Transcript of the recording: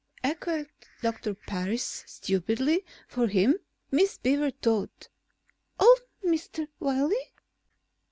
echoed Doctor Parris; stupidly, for him, Miss Beaver thought. "_Old Mr. Wiley?